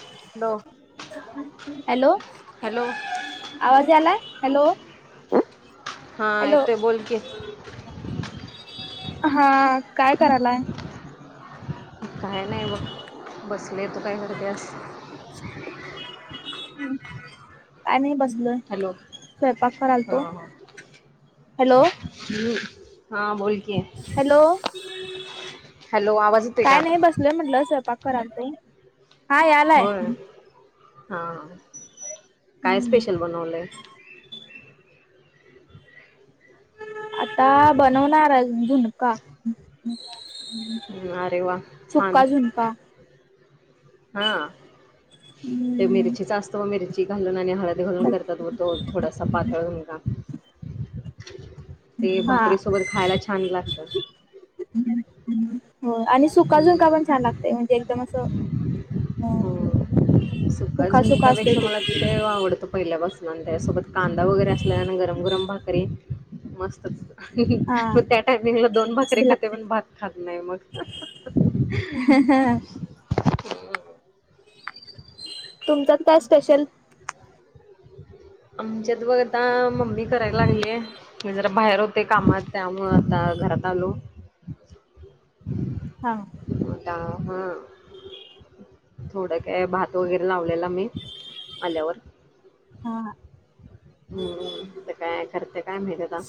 Hello. Hello, hello आवाज यालाय? Hello. हा हॅलो येतोय बोल की, - हा काय करालाय? काय नाही बघ बसले, तु काय कराल्यास? काय नाही बस बसलोय, हॅलो स्वयंपाक हा करालतो, हॅलो. हू.. हां बोल की, [unintelligible] हॅलो आवाज येतोय काय का? नाही बसलोय म्हटलं स्वयंपाक करालतो. होय, हा. काय हम्म स्पेशल बनवलंय? आता बनवणार आहे झुणका. अरे वा छान. का.. हा ते हम्म मिरचीचा असतो मिरची घालून आणि हळद घालून करतात बग तो थोडासा पातळ झुणका. ते हा भाकरीसोबत खायाला छान लागतं. [unintelligible] हो आणि सुका झुणका पण हम्म छान लागतंय म्हणजे एकदम असं हो सुका सुखा सुखा असते झुणकापेक्षा तो मला ते आवडतो पहिल्यापासून. आणि त्याच्यासोबत कांदा वगैरे असल्या गरम -गरम भाकरी मस्तच. हा मग त्या टायमिंगला दोन भाकरी मस्त खाते, पण भात खात नाही मग. हा हा तुमच्यात काय स्पेशल? आमच्यात बघ आता मम्मी कराय लागल्या. मी जरा बाहेर होते कामात त्यामुळं आता घरात आलो. हा म आता हा थोडं काय भात वगैरे मी लावलेला मी आल्यावर हम्म काय करत्या काय माहिती आता.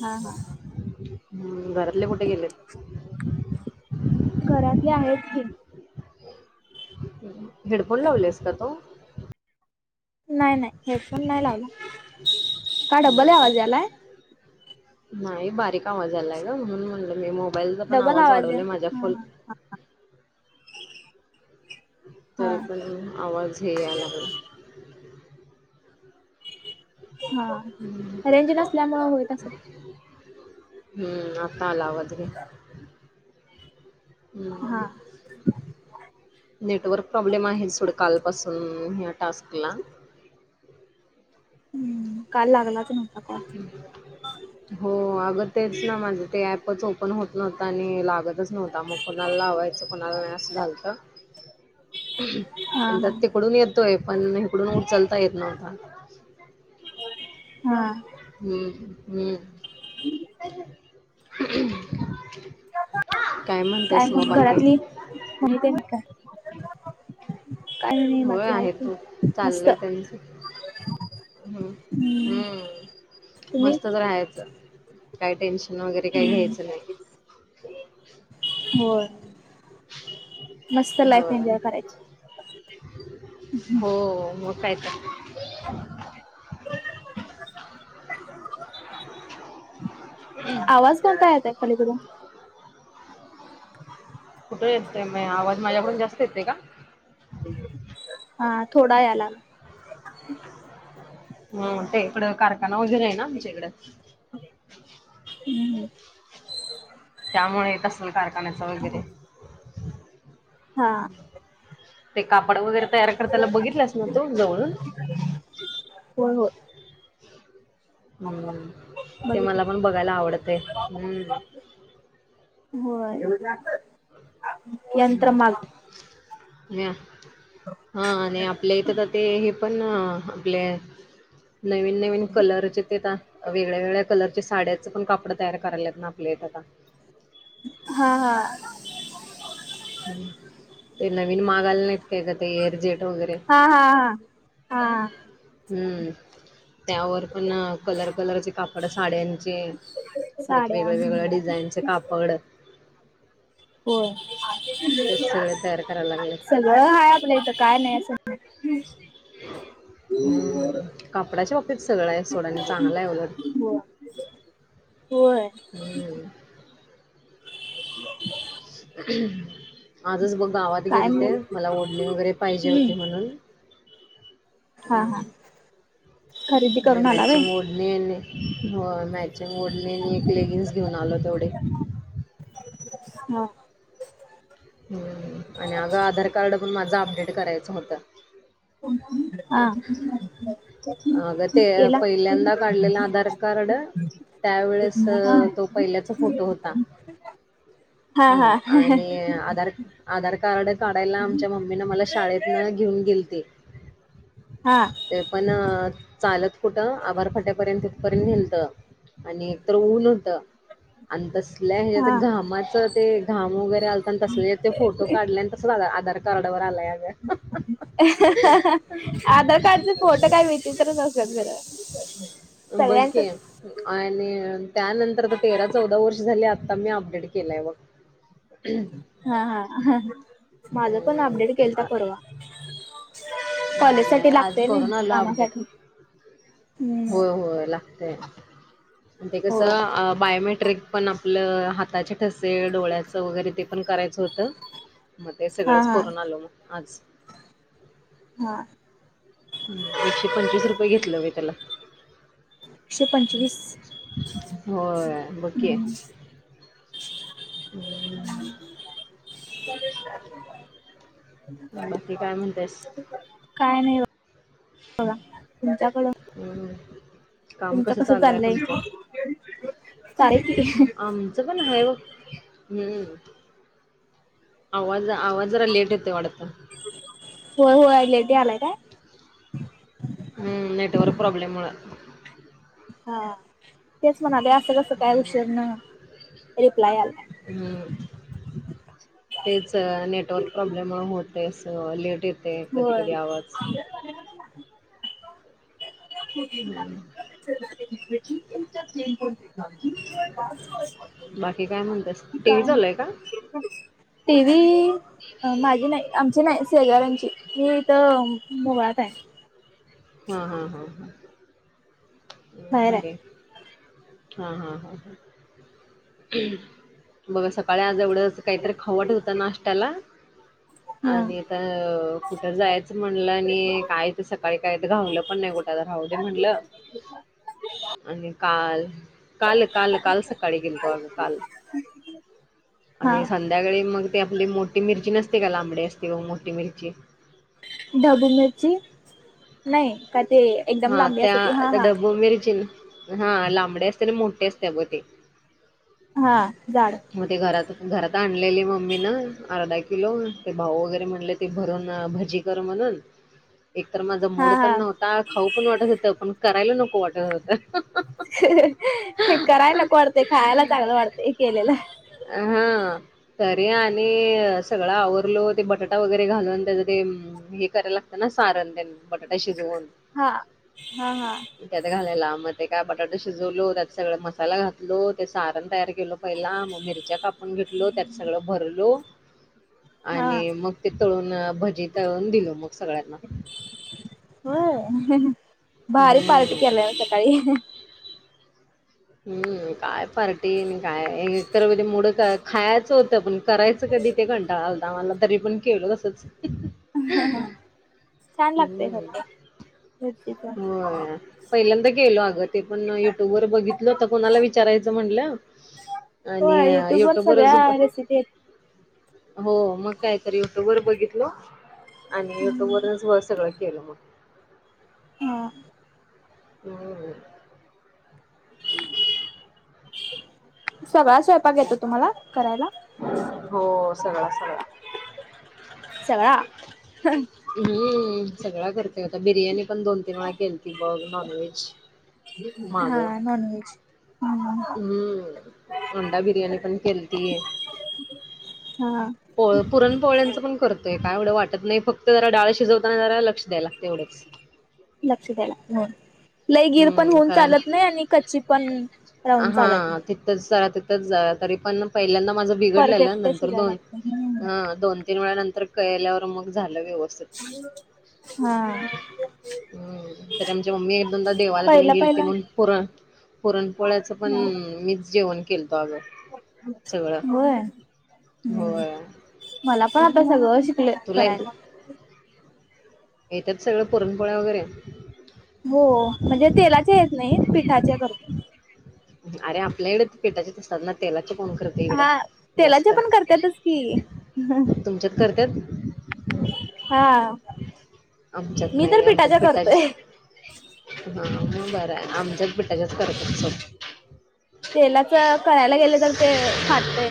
हा हा हम्म घरातले कुठे गेलेत. घरातले आहेत की. हेडफोन लावलेस का तु? नाही नाही हेडफोन नाही लावला का डबल नाही का आवाज यालाय. नाही बारीक आवाज आलाय ग म्हणून म्हटलं मी मोबाईलचा पण डबल आवाज या वाढवलाय माझ्या फुल हा हा तरी पण आवाज हे यालागलाय. हा रेज नसल्यामुंळ होईत आलाय. हम्म आता आला आवाज. हा हम्म [inaudible] नेटवर्क प्रॉब्लेम आहे सोड कालपासून ह्या टास्कला हम्म काल लागलाच नव्हता काॅल. हो अगं तेच ना माझं ते ऍपच ओपन होत नव्हतं आणि लागतच नव्हता मग. कुणाला लावायचं कुणाला नाही असं झालतं. हा आणि हा त्यात तिकडून येतोय पण इकडून उचलता येत नव्हता. हा हम्म हम्म [inaudible] काय म्हणतायस मग बाकी. नाही ते का [inaudible] होय आहेत मस्त चाललय त्यांच. हम् हम्म तुम्ही मस्तच राहायचं. काय टेन्शन वगैरे काही घ्यायचं नाही. हो मस्त लाईफ होय एन्जॉय करायची. हो मग काय तर. [inaudible] आवाज कोणता येत आहे पलीकडून? कुठे येतोय आवाज माझ्याकडून जास्त येते का? हा थोडा या ला. हम ते इकडं कारखाना वगैरे आहे ना आमच्या इकडें. हम्म त्यामुळे येत असेल कारखान्याच वगैरे. हा ते कापड वगैरे तयार करते ला बघितलंस ना तू जवळून? हो हो हम्म, ते मला बघितली पण बघायला आवडते. हम्म होय हम्म यंत्रमाग नाही. हा आणि आपल्या इथं ते हे पण आपले. नवीन नवीन कलरचे ते वेगळ्या वेगळ्या कलरच्या साड्या, पण कपडं तयार करायलात ना आपल्या ये ते आता. हा हा ते नवीन माग आले नाहीत ते ग ते एअरजेट वगैरे हा हा हा हा हम्म त्यावर पण कलर कलरचे कापड साड्यांचे परत साड्या वेगळ वेगळ्या डिझाईनचे कापड होय [unintelligible] ते हो सगळे तयार करायला लागले. ह आपलं हिथ काय नाही असं नाही [unintelligible] कपडाच्या बाबतीत सगळं आहे सोडा आणि चांगलं आहे उलट. नाही होय होय हम्म. ह [unintelligible] आजच बघ गावात काय गेल ते मग मला ओढणी वगैरे पाहिजे हम्म होती म्हणून हा हम्म. हा खरेदी म्हणजे करून आला होय. मॅचिंग हो मॅचिंग ओढनी एक लेगिन्स घेऊन आलो तेवढे, हा हम् आणि अगं आधार कार्ड पण माझं अपडेट करायचे होतं हा आग ते केला पहिल्यांदा काढलेल आधार कार्ड त्यावेळेस हा तो पहिल्याचा फोटो होता हम्म हा हा आणि आधार आधार कार्ड काडायला आम च्या मम्मी न मला शाळेतन घेऊन गेलती हा ते पण चालत कुठं आभारफाट्यापर्यंत पर्यंत नेलत आणि एक तर ऊन होत आणि तसल्या हा हच्या घामाच ते घाम वगैरे आलता आणि तसले ते फोटो काढले आणि तसच आधार कार्ड वर आलाय अगं हा आधार कार्डचे फोटो काय विचत्र असत्यात खर. बघ की सगळ्यांचच आणि त्यानंतर आता तेरा चौदा वर्ष झाली आता मी अपडेट केलय बघ. हम् हा हा माझ पण अपडेट केलता हम्म आ- परवा कॉलेज नाही साठी आज लागतय नाही करून आल अपडेट कामासाठी हम्म होय होय ला, ते ते होय कसं बायोमेट्रिक पण आपलं हाताचे ठसे डोळ्याच वगैरे ते पण करायचं होतं, मग ते हा सगळंच हा करून आलो मग आज. हा हम्म एकशे पंचवीस रुपये घेतलं बाई त्याला, एकशे पंचवीस. होय बघ की, हम्म [unintelligible] बाकी काय म्हणतेस काय नाही बघा. तुमच्याकडं, हम्म, काम तुमचं कसं कस चाललंय? तुमचं [unintelligible] च पण हाय बग हम्म आवाज आवाज जरा लेट येतोय वाढत. होय होय लेट यालाय काय? हुं नेटवर्क प्रॉब्लेममुळ हां तेच म्हणालोय असं कसं काय उशीरन रिप्लाय यालाय. हुं तेच नेटवर्क प्रॉब्लेम मुळं होत ते असं लेट येतेय कधी होय कधी आवाज [inaudible] हम्म बाकी काय म्हणतेस टी व्ही काय चालू आहे का? [inaudible] टी व्ही माझी नायी आमची नायी शेजार्यांची. मी हित बोळात हाय हां हां हां हां बाहेर बरंय. आहे हां हां हां हां [inaudible] मग सकाळी आज एवढंस काहीतरी खाऊ वाटत होतं नाश्त्याला हा आणि त कुठं जायचं म्हणलं आणि काय ते सकाळी काय ते घावलं पण नाही कुठ आता राहू दे म्हणलं आणि काल काल काल काल सकाळी गेलतो आम्ही काल हा आणि सं ध्याकाळी मग ती आपली मोठी मिरची नसते का लांबडी असते बघ मोठी मिरची ढबू मिरची? नायी का ते? एकदम हां लांबडी असते ती हा त्या हा डब्बू मिरची हां लांबडे असते आणि मोठे असते बघ ते हां जाड मग ते घरात घरात आणलेली मम्मीनं अर्धा किलो ते भाऊ वगैरे म्हणले ते भरून भजी कर म्हणून एकतर माझा मुड हा पण हा नव्हता खाऊ पण वाटत होतं पण करायला नको वाटतं होत. कराय नको वाटतय खायला चांगलं वाटतय केलेलं. हां. तरी आणि सगळं आवरलो ते बटाटा वगैरे घालून त्याच ते हे करायला लागतं ना सारण तेन बटाटा शिजवून हा हा हा त्यात घालायला मग ते काय बटाटं शिजवलो त्यात सगळ मसाला घातलो ते सारण तयार के पहिला मग मिरच्या कापून घेतलो त्यात सगळं भरलो हा आणि मग ते तळून भजी तळून दिलो मग सगळ्यांना. व्हयं भारी पार्टी हम्म केलाय मग सकाळी. हुं काय पार्टी आणि काय एकतर म्हणजे मुडच खायाच हो ते पण करायचं कधी ते कंटाळा आलता मला तरी पण केलो तसंच. [inaudible] छान लागतेय हम्म खरं ते. मिरचीच होय पहिल्यांदा केलो अगं ते पण युट्यूब वर बघितलं तर कोणाला वि विचारायच म्हटलं हो आणि युट्यूब वर युटुब वरच सगळ्या रेसिपी आहेत हों मग कायतरी युट्यूब वर बघितलो आणि युट्यूब वरच मग सगळं केलो. हां. [inaudible] सगळा स्वयंपाक येतो तुम्हाला करायला? हों सगळा सगळा. सगळा हुं सगळा करते आता बिर्याणी मी पण दोन तीन वेळा केलती बघ नाॅनव्हेज माग नॉनव्हेज हुं. हुं अंडा बिर्याणी पण खेलती. हां. पोळ पुरण पोहळ्यांचं पण करतोय काय एवढं वाटत नाही, फक्त जरा डाळ शिजवताना जरा लक्ष द्याय लागतं एवढंच. लक्ष द्या लाग लय गीर पण हम्म होऊन कारण चालत नाही आणि कच्ची पण राहून चालत नाही. तच जरा तिथच झारा तरी पण पहिल्यांदा माझं बिघडलेलं परफेक्ट नंतर शिजायला दोन लागते ह दोन तीन वेळा नंतर केल्यावर मग झालं वेव हा हम्म तरी आमची मम्मी एक देवाला त्यांनी पहिला गेल पहिला म्हण पुरण पुरणपोळ्याचं पण मी जेवण केलत अगं सगळं होय हम्म होय मला पण आता सगळं शिकले तुला ये करायल येतात सगळं पुरणपोळ्या वगैरे? हो म्हणजे तेलाचे येत नाही पिठाचे करतो. अरे आपल्या कडे पिठाचेच असतात ना तेलाचे कोण कर ते इकडं हा जास्त, तेलाचे पण करतातच की तुमच्यात करत्यात? हा आमच्यात मी नाही तर बाई आमच्यात पिठाच्या करतोय पिठाचेच हा मंग बरंय आमच्यात करतात सो तेलाच करायला गेले तर ते फाटतंय.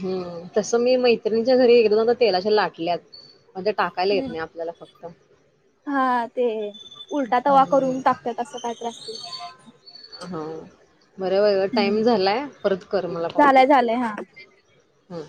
हम्म तसं मी मैत्रिणीच्या घरी एकदा दोनदा तेलाच्या लाटल्यात. मध्ये टाकायला येत नाही आपल्याला फक्त. हा ते उलटा तवा हम्म करून टाकत्यात असं काय तरी असते. हा बरं व टाइम झालाय, परत कर मला कॉल. झालंय झालंय हा हम्म